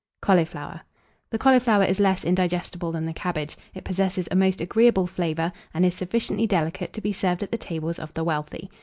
CAULIFLOWER. The cauliflower is less indigestible than the cabbage; it possesses a most agreeable flavour, and is sufficiently delicate to be served at the tables of the wealthy.